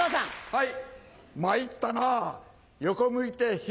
はい。